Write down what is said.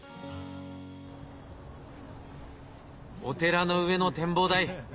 お寺の上の展望台。